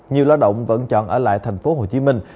nhiều lao động vẫn chọn ở lại thành phố hồ chí minh